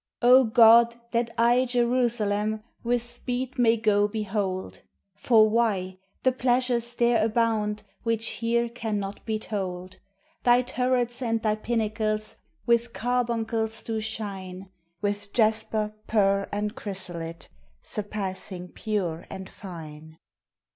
O God! that I Jerusalem With speed may go behold! For why? the pleasures there abound Which here cannot be told. Thy turrets and thy pinnacles With carbuncles do shine With jasper, pearl, and chrysolite, Surpassing pure and fine.